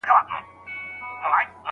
مثبت خلګ مو د ژوند په لاره کي ملګري دي.